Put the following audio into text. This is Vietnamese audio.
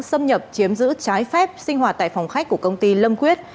xâm nhập chiếm giữ trái phép sinh hoạt tại phòng khách của công ty lâm quyết